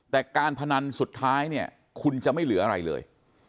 แต่การพนันสุดท้ายเนี่ยคุณจะไม่เหลืออะไรเลย